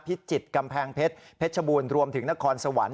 พิจิตรกำแพงเพชรเพชรบูรณ์รวมถึงนครสวรรค์